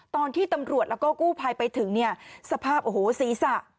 ตอนที่ตำรวจแล้วก็กู้ภัยไปถึงสภาพสีสะ